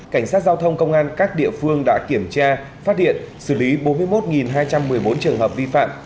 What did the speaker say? cảnh sát giao thông công an các địa phương đã kiểm tra phát hiện xử lý bốn mươi một hai trăm một mươi bốn trường hợp vi phạm